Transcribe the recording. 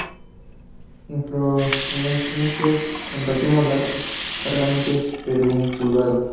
Inflorescencia en racimos laxos, largamente pedunculados.